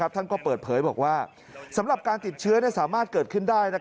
ท่านก็เปิดเผยบอกว่าสำหรับการติดเชื้อสามารถเกิดขึ้นได้